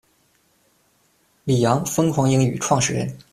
李阳：疯狂英语创始人。